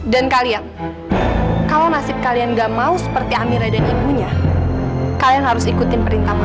dan kalian kalau nasib kalian nggak mau seperti amira dan ibunya kalian harus ikutin perintah mama